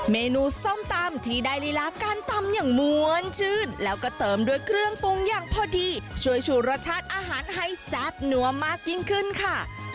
เมนูส้มตำที่ได้ลีลาการตำอย่างม้วนชื่นแล้วก็เติมด้วยเครื่องปรุงอย่างพอดีช่วยชูรสชาติอาหารให้แซ่บนัวมากยิ่งขึ้นค่ะ